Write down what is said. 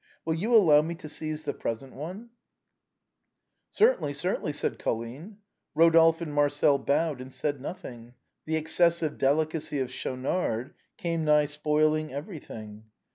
Will you allow me to seize the present one ?"" Certainly, certainly," said Colline. Rodolphe and Marcel bowed, and said nothing. The excessive delicacy of Schaunard came nigh spoiling everything.